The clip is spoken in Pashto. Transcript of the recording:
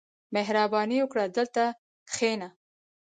• مهرباني وکړه، دلته کښېنه.